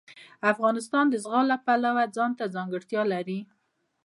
افغانستان د زغال د پلوه ځانته ځانګړتیا لري.